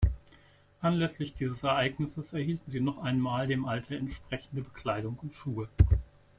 Anlässlich dieses Ereignisses erhielten sie noch einmal dem Alter entsprechende Bekleidung und Schuhe.